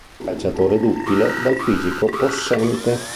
Calciatore duttile dal fisico possente.